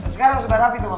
sekarang sudah rapi tunggu